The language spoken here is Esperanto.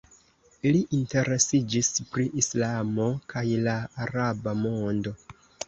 Li interesiĝis pri Islamo kaj la araba mondo.